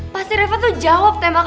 pasti reva tuh jawab temennya tuh